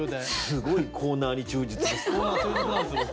すごいコーナーに忠実ですね。